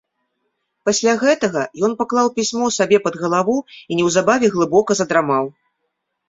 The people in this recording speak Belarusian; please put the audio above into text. Пасля гэтага ён паклаў пісьмо сабе пад галаву і неўзабаве глыбока задрамаў.